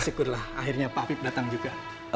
syukurlah akhirnya pak habib datang juga